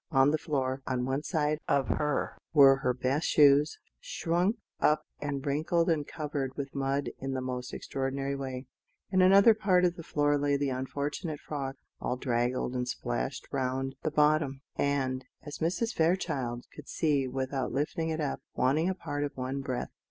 On the floor, on one side of her, were her best shoes, shrunk up and wrinkled and covered with mud in the most extraordinary way. In another part of the floor lay the unfortunate frock, all draggled and splashed round the bottom, and, as Mrs. Fairchild could see without lifting it up, wanting a part of one breadth.